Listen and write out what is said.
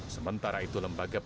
sementara itu lembaga perlengkapan